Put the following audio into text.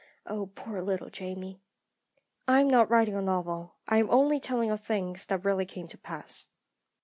Oh, poor little Jamie! "I am not writing a novel; I am only telling of things that really came to pass.